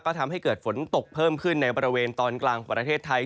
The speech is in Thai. ก็ทำให้เกิดฝนตกเพิ่มขึ้นในบริเวณตอนกลางประเทศไทย